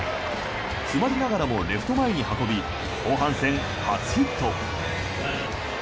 詰まりながらもレフト前に運び後半戦初ヒット。